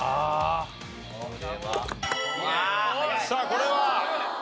さあこれは？